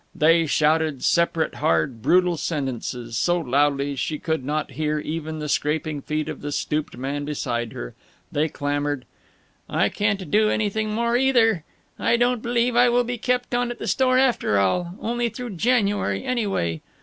They shouted separate, hard, brutal sentences, so loudly that she could not hear even the scraping feet of the stooped man beside her. They clamored: "I can't do anything more, either. "I don't believe I will be kept on at the store, after all. Only through January, anyway.